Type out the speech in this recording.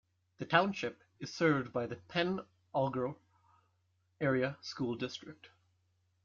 The township is served by the Pen Argyl Area School District.